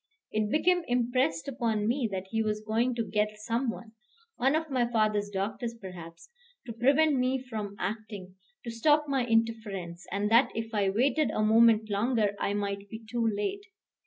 It became impressed upon me that he was going to get some one one of my father's doctors, perhaps to prevent me from acting, to stop my interference, and that if I waited a moment longer I might be too late.